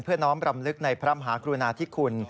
น้อมรำลึกในพระมหากรุณาธิคุณ